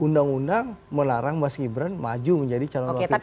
bangundang melarang mas gibran maju menjadi calon wakil presiden